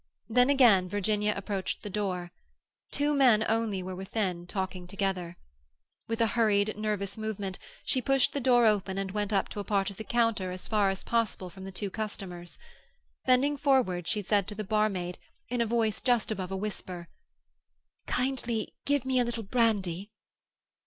Then again Virginia approached the door. Two men only were within, talking together. With a hurried, nervous movement, she pushed the door open and went up to a part of the counter as far as possible from the two customers. Bending forward, she said to the barmaid in a voice just above a whisper,— "Kindly give me a little brandy."